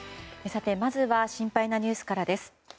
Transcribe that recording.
さて、まずは心配なニュースからです。